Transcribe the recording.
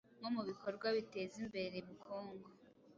nko mu bikorwa biteza imbere ubukungu,